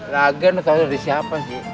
lagi lo tau dari siapa sih